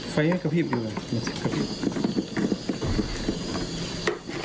ไฟให้กระพรีบดีกว่า